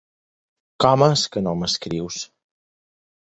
Com és que no m'escrius?